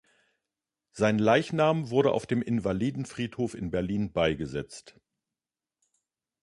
Sein Leichnam wurde auf dem Invalidenfriedhof in Berlin beigesetzt.